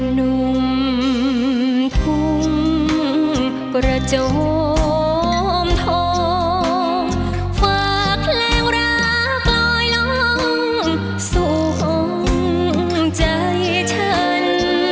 หนุ่มคุ้มประโจมธรรมฝากแล้วราปล่อยล้อมสวงใจฉัน